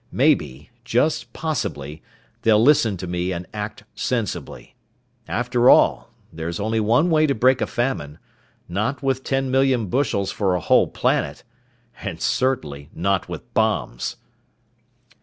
Maybe, just possibly, they'll listen to me and act sensibly. After all, there's only one way to break a famine. Not with ten million bushels for a whole planet! And certainly not with bombs!"